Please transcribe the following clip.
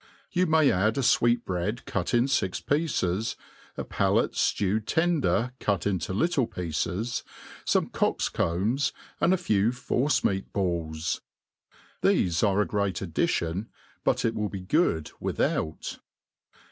You may add a fweetbread cut in fix pieces^ a palate ftewed tender cut into little pieces, fome cock*s*combs, and a few force meat balls. Tbefe are a great addition, btit ic will be good without.